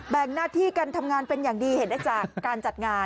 งหน้าที่กันทำงานเป็นอย่างดีเห็นได้จากการจัดงาน